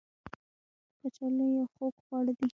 کچالو یو خوږ خواړه دی